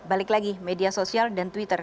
balik lagi media sosial dan twitter